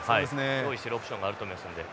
用意してるオプションがあると思いますので。